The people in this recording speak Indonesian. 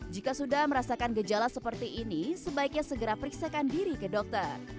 jika sudah merasakan gejala seperti ini sebaiknya segera periksakan diri ke dokter